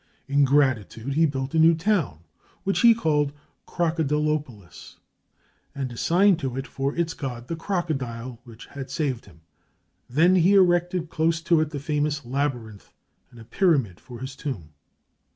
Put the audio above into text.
In gratitude he built a new town, which he called Crocodilopolis, and assigned to it for its god the crocodile which had saved him; he then erected close to it the famous labyrinth and a pyramid for his tomb.